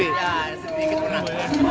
iya sedikit pernah